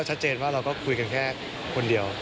ชัดเจนว่าเราก็คุยกันแค่คนเดียว